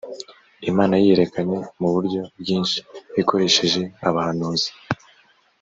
imana yiyerekanye mu buryo bwinshi ikoresheje abahanuzi